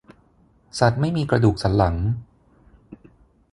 สัตว์ไม่มีกระดูกสันหลัง